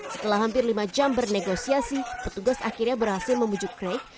setelah hampir lima jam bernegosiasi petugas akhirnya berhasil memujuk crake